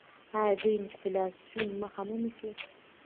آیا دوی د انفلاسیون مخه نه نیسي؟